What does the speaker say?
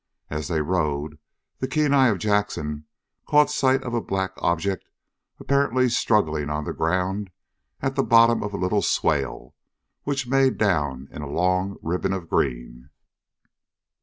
As they rode, the keen eye of Jackson caught sight of a black object apparently struggling on the ground at the bottom of a little swale which made down in a long ribbon of green.